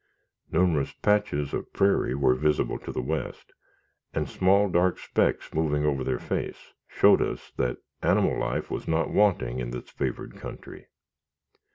Numerous patches of prairie were visible to the west, and small, dark specks moving over their face, showed us that animal life was not wanting in this favored country.